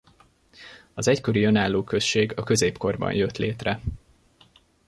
Az egykori önálló község a középkorban jött létre.